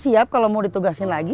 siap kalau mau ditugasin lagi